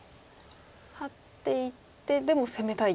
ハッていってでも攻めたい。